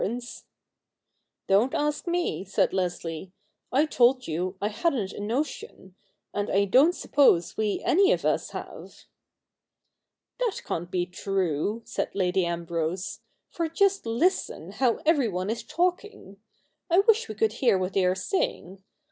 CH. Ill] THE NEW REPUBLIC 21 'Don't ask me,' said Leslie; 'I told you I hadn't a notion ; and I don't suppose we any of us have.' 'That can't be true,' said Lady Ambrose, 'for just listen how everyone is talking. I wish we could hear what they are saying.